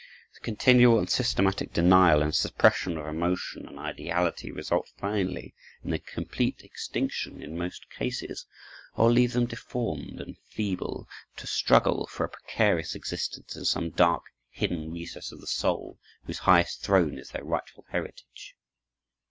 The continual and systematic denial and suppression of emotion and ideality result finally in their complete extinction in most cases, or leave them deformed and feeble, to struggle for a precarious existence in some dark, hidden recess of the soul, whose highest throne is their rightful heritage.